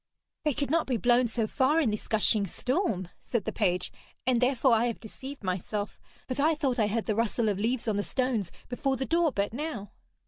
'They could not be blown so far in this gushing storm,' said the page, 'and therefore I have deceived myself. But I thought I heard the rustle of leaves on the stones before the door but now.'